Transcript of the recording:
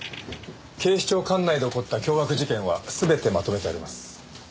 警視庁管内で起こった凶悪事件は全てまとめてあります。